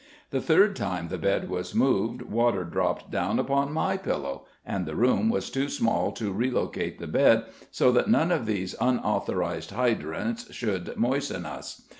The third time the bed was moved water dropped down upon my pillow, and the room was too small to re locate the bed so that none of these unauthorized hydrants should moisten us.